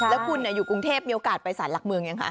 แล้วคุณอยู่กรุงเทพมีโอกาสไปสารหลักเมืองยังคะ